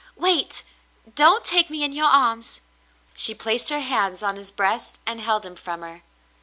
Wait ! Don't take me in your arms." She placed her hands on his breast and held him from her.